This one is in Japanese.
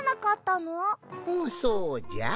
うんそうじゃ。